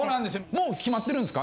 もう決まってるんすか？